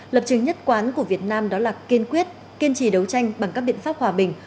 lập trường nhất quán của việt nam đó là kiên quyết kiên trì đấu tranh bằng các biện pháp hòa bình